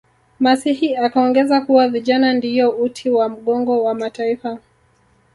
masihi akaongeza kuwa vijana ndiyo uti wa mgongo wa mataifa